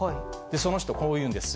その人、こう言うんです。